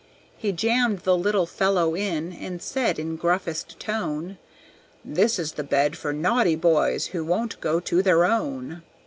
He jammed the little fellow in, and said in gruffest tone, "This is the bed for naughty boys who won't go to their own."